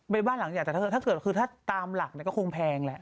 ใบบ้านหลังจากเธอถ้าเกิดคือถ้าตามหลักก็คงแพงแหละ